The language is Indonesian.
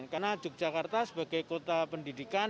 karena yogyakarta sebagai kota pendidikan